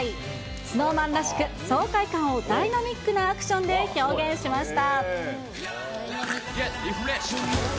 ＳｎｏｗＭａｎらしく、爽快感をダイナミックなアクションで表現しました。